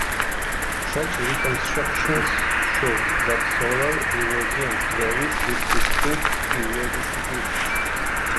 Such reconstructions show that solar irradiance varies with distinct periodicities.